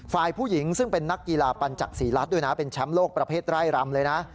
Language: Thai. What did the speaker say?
ฝ่ายผู้หญิงซึ่งเป็นนักกีฬาปัญจักษีรัฐด้วยนะเป็นแชมป์โลกประเภทไร่รำเลยนะ